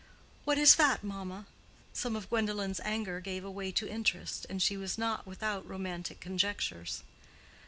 "What is that, mamma?" some of Gwendolen's anger gave way to interest, and she was not without romantic conjectures.